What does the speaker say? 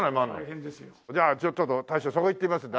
じゃあちょっと大将そこ行ってみますんで。